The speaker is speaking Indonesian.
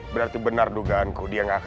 berat itu saja